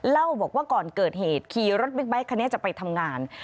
เล่าบอกว่าก่อนเกิดเหตุขี่รถบิ๊กไบท์คันนี้จะไปทำงาน